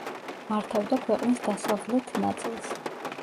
მართავდა ქვეყნის დასავლთ ნაწილს.